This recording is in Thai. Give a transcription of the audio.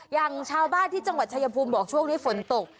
อย่างชาวบ้านที่จังหวัดชายภูมิบอกช่วงนี้ฝนตก